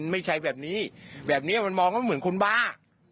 ไม่ใช่แบบนี้แบบนี้มันมองว่าเหมือนคนบ้า